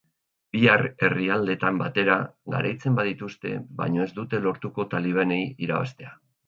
Bi herrialdeetan batera garaitzen badituzte baino ez dute lortuko talibanei irabaztea.